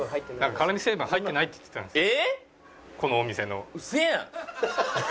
辛み成分入ってないっておっしゃってたんですよね。